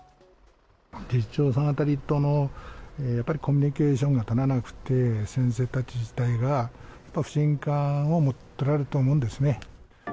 理事長さんあたりとのやっぱりコミュニケーションが足らなくて、先生たち自体がやっぱ不信感を持っておられると思うんですね。